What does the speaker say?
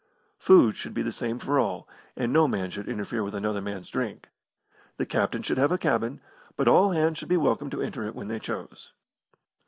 Food should be the same for all, and no man should interfere with another man's drink! The captain should have a cabin, but all hands should be welcome to enter it when they chose.